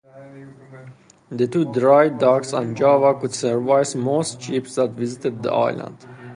The two dry docks on Java could service most ships that visited the island.